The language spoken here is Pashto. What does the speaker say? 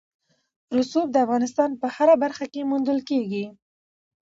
رسوب د افغانستان په هره برخه کې موندل کېږي.